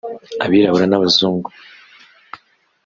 abirabura n'abazungu